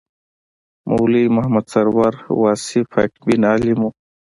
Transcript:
مولوي محمد سرور واصف حقبین عالم و.